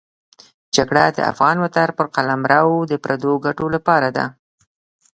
جګړه د افغان وطن پر قلمرو د پردو ګټو لپاره ده.